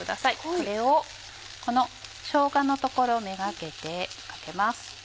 これをこのしょうがの所めがけてかけます。